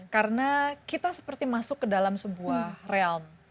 karena kita seperti masuk ke dalam sebuah realm